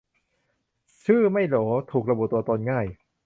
ชื่อไม่โหล ถูกระบุตัวตนง่าย